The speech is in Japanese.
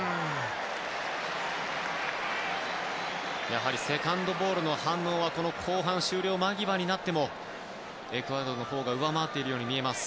やはりセカンドボールの反応は後半終了間際になってもエクアドルのほうが上回っているように見えます。